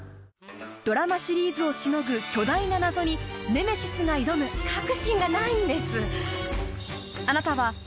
ドラマシリーズをしのぐ巨大な謎にネメシスが挑む確信がないんです！